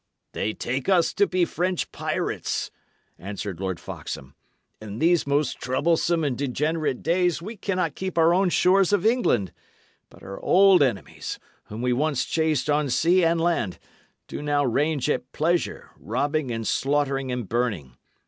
"They take us to be French pirates," answered Lord Foxham. "In these most troublesome and degenerate days we cannot keep our own shores of England; but our old enemies, whom we once chased on sea and land, do now range at pleasure, robbing and slaughtering and burning.